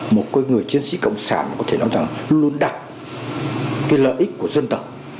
một người chiến sĩ cộng sản có thể nói rằng luôn đặt cái lợi ích của dân tộc